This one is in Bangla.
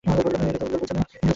ডায়েটে আছে ও।